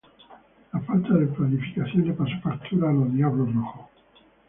La falta de planificación le pasó factura a los "Diablos Rojos".